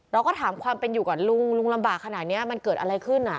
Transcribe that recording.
เราก็ถามความเป็นอยู่ก่อนลุงลุงลำบากขนาดนี้มันเกิดอะไรขึ้น